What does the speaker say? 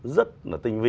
rất là tinh vi